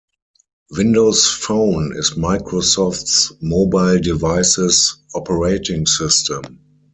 Windows Phone is Microsoft's mobile device's operating system.